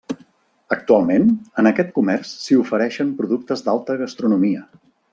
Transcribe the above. Actualment, en aquest comerç s'hi ofereixen productes d'alta gastronomia.